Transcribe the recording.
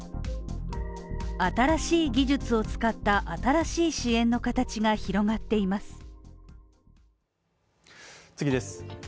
新しい技術を使った新しい支援の形が広がっています。